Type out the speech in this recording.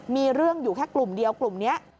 มีเรื่องอยู่แค่กลุ่มเดียวกลุ่มนี้